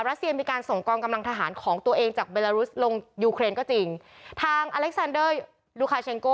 ัสเซียมีการส่งกองกำลังทหารของตัวเองจากเบลารุสลงยูเครนก็จริงทางอเล็กซานเดอร์ลูคาเชงโก